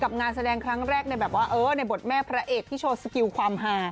งานแสดงครั้งแรกในแบบว่าเออในบทแม่พระเอกที่โชว์สกิลความหา